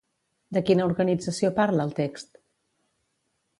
De quina organització parla el text?